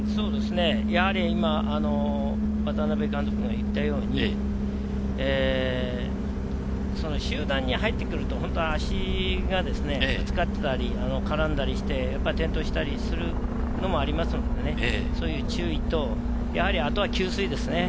やはり今、渡辺監督が言ったように、集団に入ってくると足がぶつかったり絡んだりして転倒したりするのもありますのでね、そういう注意と、あとは給水ですね。